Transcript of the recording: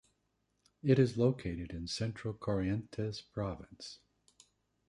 It is located in central Corrientes Province.